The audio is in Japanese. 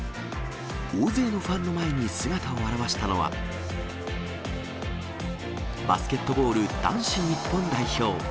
大勢のファンの前に姿を現したのは、バスケットボール男子日本代表。